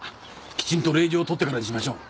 きちんと令状を取ってからにしましょう。